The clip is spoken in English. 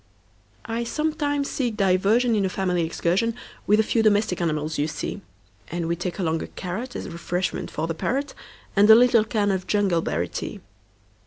I sometimes seek diversionIn a family excursionWith the few domestic animals you see; And we take along a carrotAs refreshment for the parrot, And a little can of jungleberry tea.